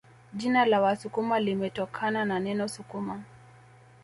Jina la Wasukuma limetokana na neno sukuma